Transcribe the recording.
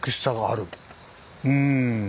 うん。